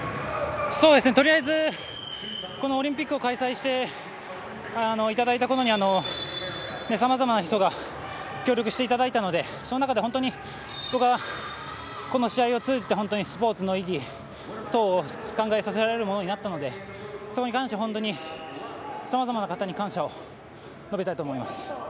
とりあえずオリンピックを開催していただいたことに様々な人が協力していただいたので、その中で本当にこの試合を通じてスポーツの意義等を考えさせられるものになったのでそこに関してはさまざまな方に感謝を述べたいと思います。